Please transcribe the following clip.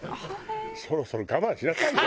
そろそろ我慢しなさいよ